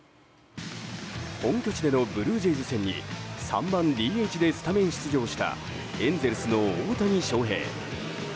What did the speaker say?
本拠地でのブルージェイズ戦に３番ＤＨでスタメン出場したエンゼルスの大谷翔平。